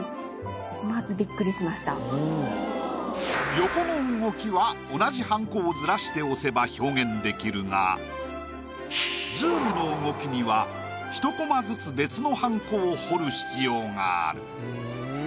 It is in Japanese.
横の動きは同じはんこをずらして押せば表現できるがズームの動きには１コマずつ別のはんこを彫る必要がある。